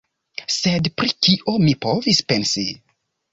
Sed pri kio mi povis pensi?